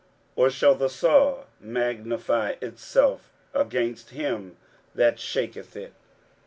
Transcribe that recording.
or shall the saw magnify itself against him that shaketh it?